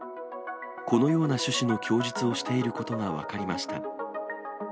このような趣旨の供述をしていることが分かりました。